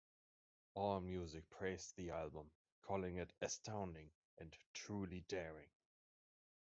AllMusic praised the album, calling it "astounding" and "truly daring".